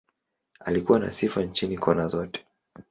Alikuwa na sifa nchini, kona zote.